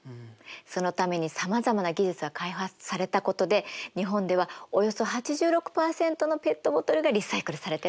そのためにさまざまな技術が開発されたことで日本ではおよそ８６％のペットボトルがリサイクルされてるの。